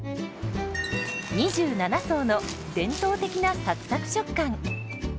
２７層の伝統的なサクサク食感。